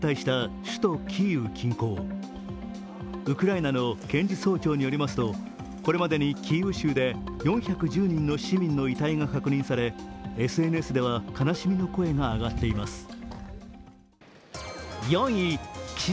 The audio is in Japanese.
ウクライナの検事総長によりますとこれまでにキーウ州で４１０人の市民の遺体が確認され、ＳＮＳでは悲しみの声が上がっています。